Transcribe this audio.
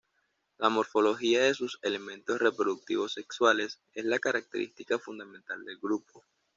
La morfología de sus elementos reproductivos sexuales es la característica fundamental del grupo.